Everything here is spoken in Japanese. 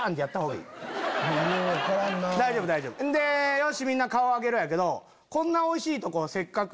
「よしみんな顔上げろ」やけどこんなおいしいとこせっかく。